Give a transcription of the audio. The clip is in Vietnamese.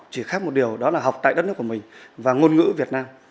chỉ khác một điều đó là học tại đất nước của mình và ngôn ngữ việt nam